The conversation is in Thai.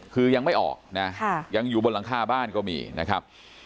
คือยังไม่ออกนะยังอยู่บนหลังคาบ้านก็มีนะครับ